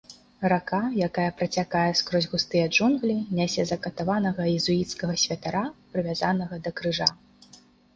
Рака, якая працякае скрозь густыя джунглі, нясе закатаванага езуіцкага святара, прывязанага да крыжа.